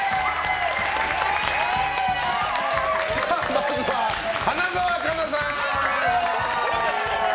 まずは花澤香菜さん！